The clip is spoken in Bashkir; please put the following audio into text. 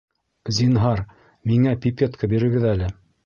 Зинһар, миңә пипетка бирегеҙ әле